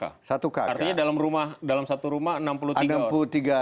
artinya dalam satu rumah enam puluh tiga